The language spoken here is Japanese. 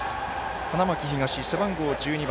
花巻東、背番号１２番